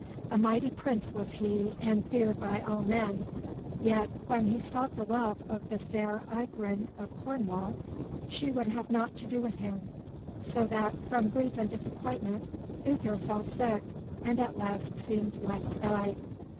A mighty prince was he, and feared by all men; yet, when he sought the love of the fair Igraine of Cornwall, she would have naught to do with him, so that, from grief and disappointment, Uther fell sick, and at last seemed like to die.